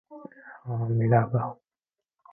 It is the oldest Jewish congregation in Toronto.